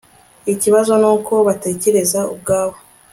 Ikibazo nuko batekereza ubwabo